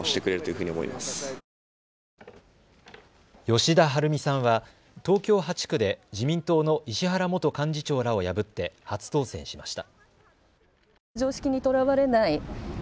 吉田晴美さんは東京８区で自民党の石原元幹事長らを破って初当選しました。